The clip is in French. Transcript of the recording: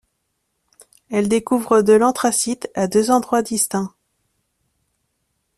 Elle découvre de l'anthracite à deux endroits distincts.